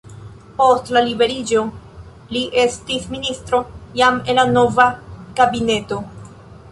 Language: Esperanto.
Post la liberiĝo li estis ministro jam en la nova kabineto.